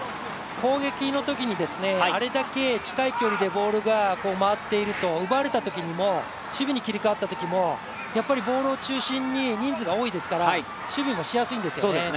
攻撃のときに、あれだけ近い距離でボールが回っていると奪われたときにも守備に切り替えたときもやっぱりボールを中心に人数も多いですから、守備もしやすいんですよね。